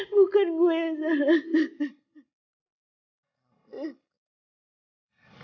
bukan gue yang ngaku